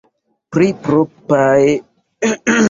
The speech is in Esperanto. Pri propraj nomoj.